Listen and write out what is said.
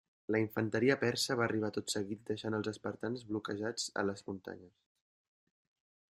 La infanteria persa va arribar tot seguit deixant els espartans bloquejats a les muntanyes.